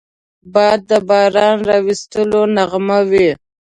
باد د باران راوستلو نغمه وي